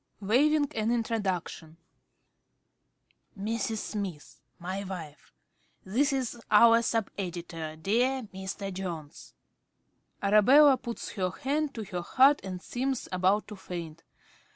~Smith~ (waving an introduction). Mrs. Smith my wife. This is our sub editor, dear Mr. Jones. (_Arabella puts her hand to her heart and seems about to faint.